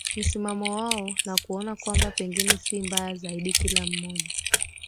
msimamo wao na kuona kwamba pengine si mbaya zaidi Kila mmoja